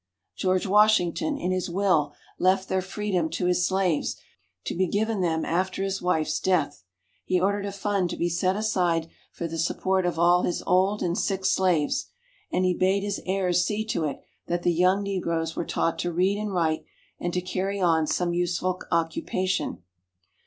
George Washington, in his Will, left their freedom to his slaves, to be given them after his wife's death. He ordered a fund to be set aside for the support of all his old and sick slaves, and he bade his heirs see to it that the young negroes were taught to read and write and to carry on some useful occupation.